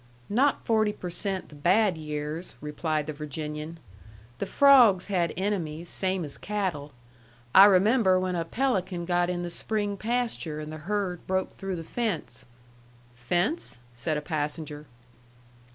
"Not forty per cent the bad years," replied the Virginian. "The frawgs had enemies, same as cattle. I remember when a pelican got in the spring pasture, and the herd broke through the fence " "Fence?" said a passenger.